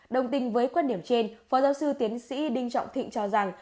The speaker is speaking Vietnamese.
đồng tình với quan điểm trên phó giáo sư tiến sĩ đinh trọng thịnh cho rằng